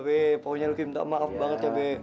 be pokoknya lucky minta maaf banget ya be